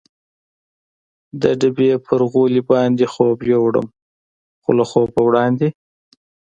د ډبې پر غولي باندې خوب یووړم، خو له خوبه وړاندې.